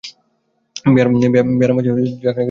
বেয়া মাছের ঝাক লেগেচে, এখানে কিছু হবে না।